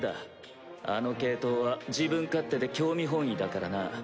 あの系統は自分勝手で興味本位だからな。